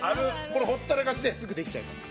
これほったらかしですぐできちゃいます。